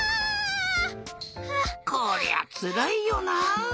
こりゃつらいよな。